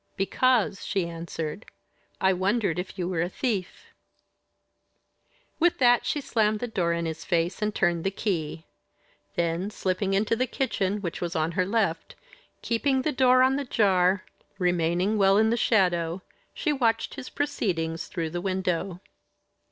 "Because," she answered, "I wondered if you were a thief." With that she slammed the door in his face and turned the key. Then, slipping into the kitchen which was on her left, keeping the door on the jar, remaining well in the shadow, she watched his proceedings through the window.